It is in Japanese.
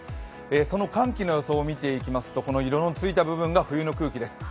その寒気の予想を見ていきますと色のついた部分が冬の空気です。